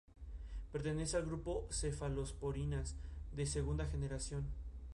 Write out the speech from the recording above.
Pertenece al grupo de cefalosporinas de segunda generación.